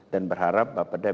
dan berharap bapak dasri